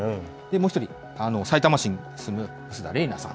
もう１人、さいたま市に住む薄田玲奈さん。